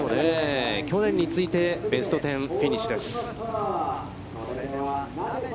去年に続いてベストテンフィニッシュです。